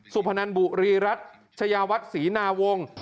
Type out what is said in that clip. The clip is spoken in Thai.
พนันบุรีรัฐชายาวัดศรีนาวงศ์